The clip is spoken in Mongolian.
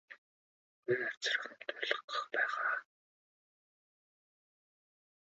Хоёр аварга юм дуулгах байх аа.